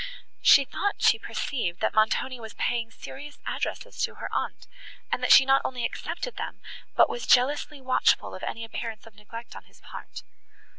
She thought she perceived, that Montoni was paying serious addresses to her aunt, and that she not only accepted them, but was jealously watchful of any appearance of neglect on his part.